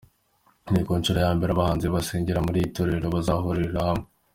Ni ku nshuro ya mbere abahanzi basengera muri iri torero bazahurira hamwe.